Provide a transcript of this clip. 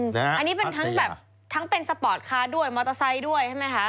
อันนี้เป็นทั้งแบบทั้งเป็นสปอร์ตคาร์ด้วยมอเตอร์ไซค์ด้วยใช่ไหมคะ